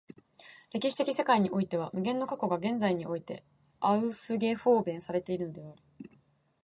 歴史的世界においては無限の過去が現在においてアウフゲホーベンされているのである。